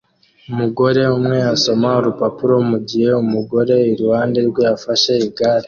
Umugore umwe asoma urupapuro mugihe umugore iruhande rwe afashe igare